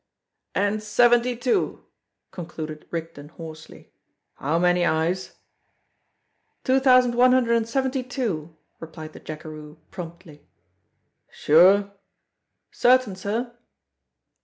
"And seventy two!" concluded Rigden hoarsely. "How many, Ives?" "Two thousand one hundred and seventy two," replied the jackeroo promptly. "Sure?" "Certain, sir."